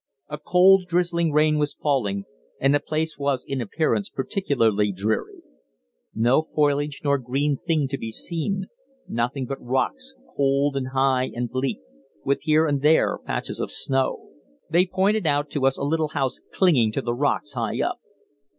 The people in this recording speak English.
A cold, drizzling rain was falling, and the place was in appearance particularly dreary; no foliage nor green thing to be seen nothing but rocks, cold and high and bleak, with here and there patches of snow. They pointed out to us a little house clinging to the rocks high up.